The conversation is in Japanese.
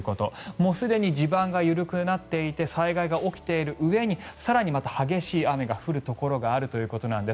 もうすでに地盤が緩くなっていて災害が起きているうえに更にまた激しい雨が降るところがあるということなんです。